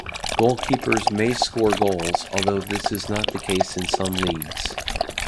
Goalkeepers may score goals, although this is not the case in some leagues.